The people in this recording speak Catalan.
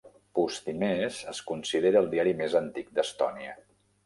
"Postimees" es considera el diari més antic d'Estònia.